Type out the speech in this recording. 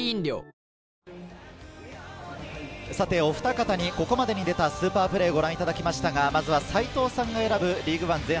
おふた方にここまでに出たスーパープレーをご覧いただきましたが、まずは齊藤さんが選ぶリーグワン